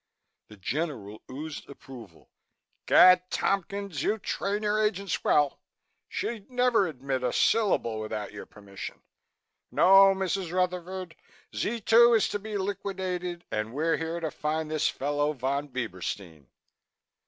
The General oozed approval. "Gad! Tompkins, you train your agents well. She'd never admit a syllable without your permission. No, Mrs. Rutherford, Z 2 is to be liquidated and we're here to find this fellow Von Bieberstein."